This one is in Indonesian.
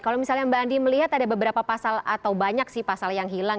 kalau misalnya mbak andi melihat ada beberapa pasal atau banyak sih pasal yang hilang